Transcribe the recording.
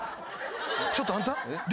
ちょっとあんた？